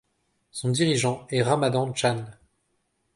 Son dirigeant est Ramadan Chan.